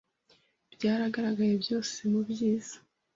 Byaragaragaye byose mubyiza.